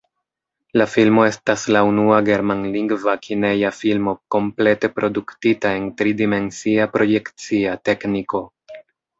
La filmo estas la unua germanlingva kineja filmo komplete produktita en tridimensia projekcia tekniko.